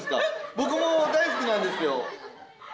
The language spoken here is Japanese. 僕も大好きなんですよ。